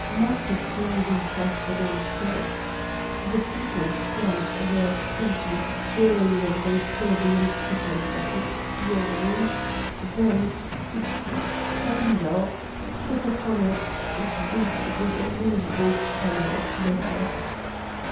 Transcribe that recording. Matho flung himself against it. The people stamped their feet with joy when they saw the impotence of his fury; then he took his sandal, spit upon it, and beat the immovable panels with it.